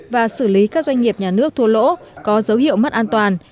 và xử lý các doanh nghiệp nhà nước thua lỗ có dấu hiệu mất an toàn